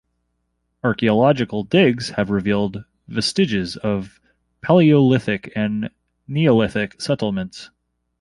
Archaeological digs have revealed vestiges of palaeolithic and Neolithic settlements.